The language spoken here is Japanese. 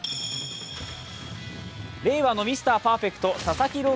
令和のミスターパーフェクト佐々木朗